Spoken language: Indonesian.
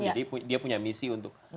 jadi dia punya misi untuk